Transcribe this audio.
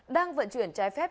đang vận chuyển trái phép